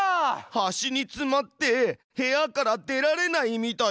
端につまって部屋から出られないみたいだよ。